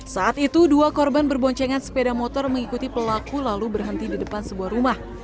saat itu dua korban berboncengan sepeda motor mengikuti pelaku lalu berhenti di depan sebuah rumah